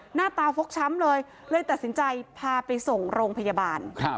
หน้าตาฟกช้ำเลยเลยตัดสินใจพาไปส่งโรงพยาบาล